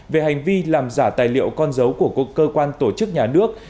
về hành vi làm giả tài liệu con dấu của cơ quan tổ chức nhà nước